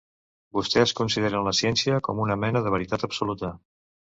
Vostès consideren la ciència com una mena de veritat absoluta.